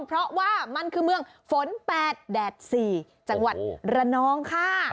เพราะว่ามันคือเมืองฝน๘แดด๔จังหวัดระนองค่ะ